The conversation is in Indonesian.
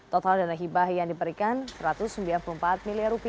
total dana hibah yang diberikan rp satu ratus sembilan puluh empat miliar